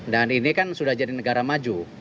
ini kan sudah jadi negara maju